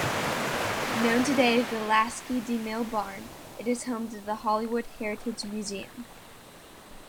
Known today as the Lasky-DeMille Barn, it is home to the Hollywood Heritage Museum.